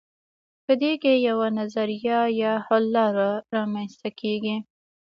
په دې کې یوه نظریه یا حل لاره رامیینځته کیږي.